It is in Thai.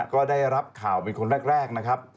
ก็ได้รับข่าวเป็นคนแรกนะครับ